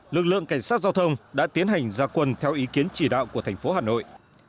lực lượng cảnh sát giao thông đã tiến hành gia quân theo ý kiến chỉ đạo của thành phố hà nội